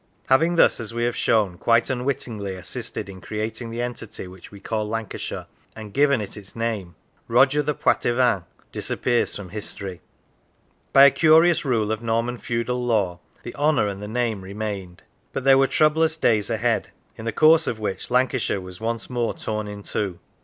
Having thus, as we have shown, quite unwittingly assisted in creating the entity which we call Lancashire, and given it its name, Roger the Poitevin disappears from history. By a curious rule of Norman feudal law the Honour and the name remained. But there were troublous days ahead, in the course of which Lancashire was once more torn in two.